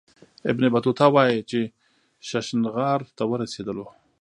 ابن بطوطه وايي چې ششنغار ته ورسېدلو.